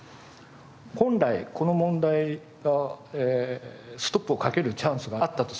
本来この問題のストップをかけるチャンスがあったとすればですね